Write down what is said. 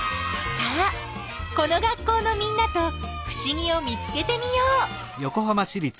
さあこの学校のみんなとふしぎを見つけてみよう！